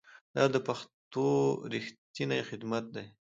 دا د پښتو ریښتینی خدمت دی.